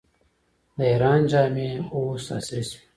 د ایران جامې اوس عصري شوي.